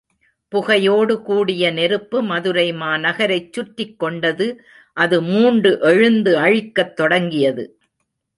புகையோடு கூடிய நெருப்பு மதுரை மாநகரைச் சுற்றிக் கொண்டது அது மூண்டு எழுந்து அழிக்கத் தொடங்கியது.